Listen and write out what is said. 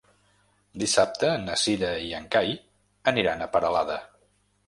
Dissabte na Cira i en Cai aniran a Peralada.